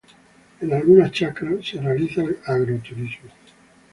En algunas chacras se realiza el agroturismo.